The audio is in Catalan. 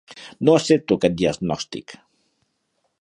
No accepto aquest diagnòstic.